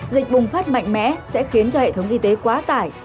dịch bùng phát mạnh mẽ sẽ khiến cho hệ thống y tế quá tải